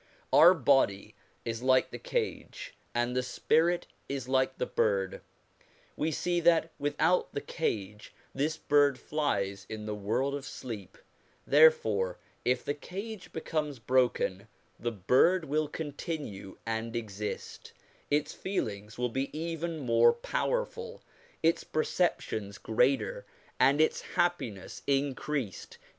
Our body is like the cage, and the spirit is like the bird. We see that without the cage this bird flies in the world of sleep ; therefore if the cage becomes broken, the bird will continue and exist: its feelings will be even more powerful, its perceptions greater, and its happiness increased.